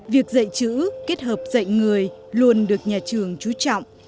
việc dạy chữ kết hợp dạy người luôn được nhà trường trú trọng